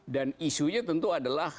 dan isunya tentu adalah